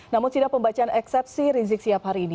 namun sidang pembacaan eksepsi rizik sihab hari ini